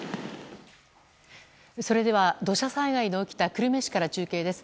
それでは、土砂災害の起きた久留米市から中継です。